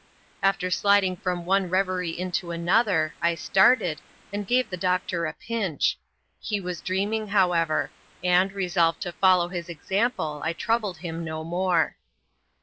After sliding from one revery into another, I started^ and gawe the doctor a pinch. He was dreaming, however ; and, aoaolved to foUow his example, I troubled him no more.